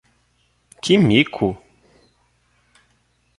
Que mico!